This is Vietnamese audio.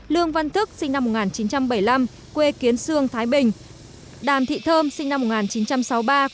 lương văn thức sinh năm một nghìn chín trăm bảy mươi năm quê kiến sương thái bình đàm thị thơm sinh năm một nghìn chín trăm sáu mươi ba